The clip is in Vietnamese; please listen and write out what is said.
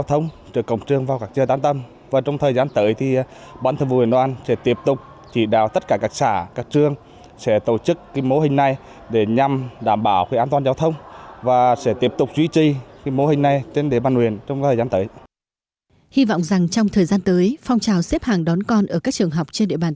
hy vọng rằng trong thời gian tới phong trào xếp hàng đón con ở các trường học trên địa bàn